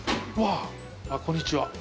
あっ、こんにちは。